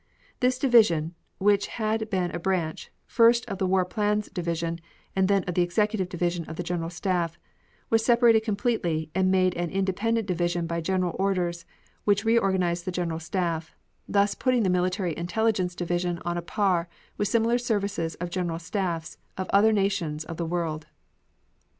This division, which had been a branch, first of the War Plans Division and then of the Executive Division of the General Staff, was separated completely and made an independent division by general orders which reorganized the General Staff, thus putting the Military Intelligence Division on a par with similar services of general staffs of other nations of the world.